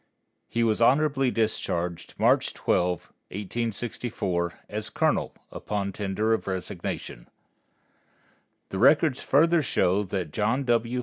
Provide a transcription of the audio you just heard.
He was honorably discharged March 12, 1864, as colonel, upon tender of resignation. The records further show that John W.